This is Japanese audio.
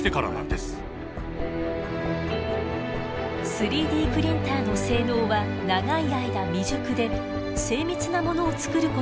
３Ｄプリンターの性能は長い間未熟で精密なものを作ることは不可能でした。